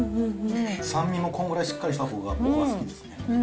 酸味もこれぐらいしっかりしたほうが僕は好きですね。